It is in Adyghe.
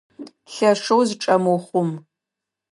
Лъэшэу зычӏэмыухъум!